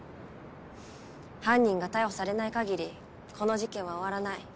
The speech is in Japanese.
犯人が逮捕されない限りこの事件は終わらない。